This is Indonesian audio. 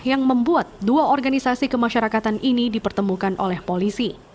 yang membuat dua organisasi kemasyarakatan ini dipertemukan oleh polisi